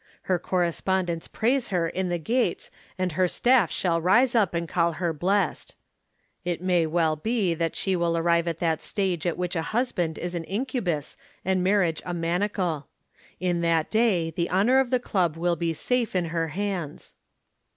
Her correspondents praise her in the gates and her staff shall rise up and call her blessed. It may well be that she will arrive at that stage at which a husband is an incubus and marriage a manacle. In that day the honor of the Club will be safe in her hands."